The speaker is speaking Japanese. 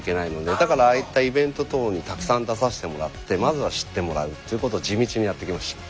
だからああいったイベント等にたくさん出させてもらってまずは知ってもらうっていうことを地道にやってきました。